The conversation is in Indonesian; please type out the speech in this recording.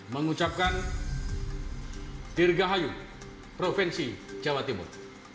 mengucapkan dirgahayu provinsi jawa timur